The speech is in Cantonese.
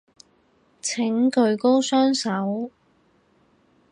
請舉高雙手